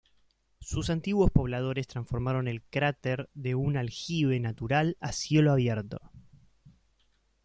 Sus antiguos pobladores transformaron el cráter de un aljibe natural a cielo abierto.